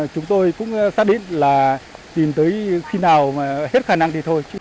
chúng tôi cũng xác định là tìm tới khi nào hết khả năng thì thôi